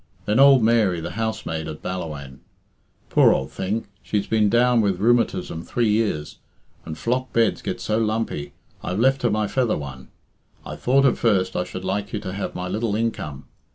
Then old Mary, the housemaid at Ballawhaine. Poor old thing! she's been down with rheumatism three years, and flock beds get so lumpy I've left her my feather one. I thought at first I should like you to have my little income.